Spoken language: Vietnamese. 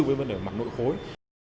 với vấn đề mặt nội khối